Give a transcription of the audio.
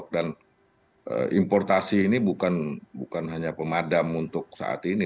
dan importasi ini bukan hanya pemadam untuk saat ini